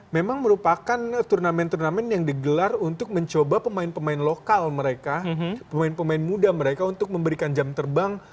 memang merupakan turnamen turnamen yang digelar untuk mencoba pemain pemain lokal mereka pemain pemain muda mereka untuk memberikan jam terbang